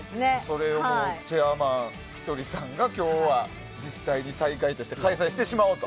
それをチェアマンひとりさんが今日は実際に大会として開催してしまおうと。